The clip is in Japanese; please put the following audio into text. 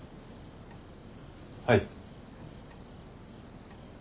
はい。